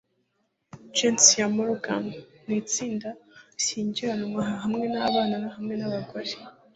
Gens ya Morgan ni itsinda rishyingiranwa hamwe n'abana hamwe n'abagore